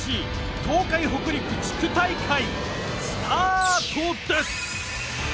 東海北陸地区大会スタートです！